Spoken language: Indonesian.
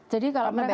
jadi kalau mereka